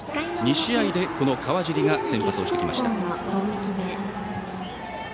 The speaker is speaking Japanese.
２試合で、この川尻が先発をしてきました。